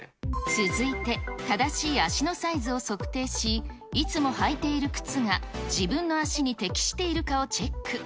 続いて、正しい足のサイズを測定し、いつも履いている靴が自分の足に適しているかをチェック。